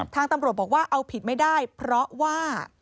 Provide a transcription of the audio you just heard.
ทางตำรวจบอกว่าเอาผิดไม่ได้เพราะว่า